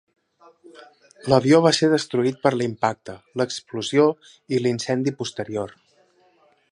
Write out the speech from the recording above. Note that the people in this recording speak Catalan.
L'avió va ser destruït per l'impacte, l'explosió i l'incendi posterior.